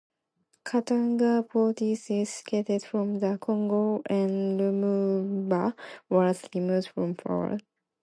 Katanga Province seceded from the Congo and Lumumba was removed from power.